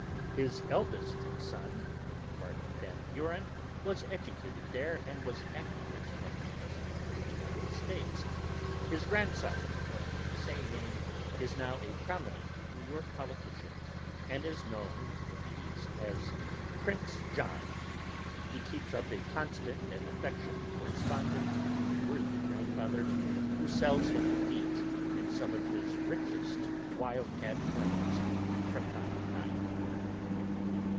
His eldest son, Martin Van Buren, was educated there, and was afterwards elected President of the United States; his grandson, of the same name, is now a prominent New York politician, and is known in the East as "Prince John;" he keeps up a constant and affectionate correspondence with his worthy grandfather, who sells him feet in some of his richest wildcat claims from time to time.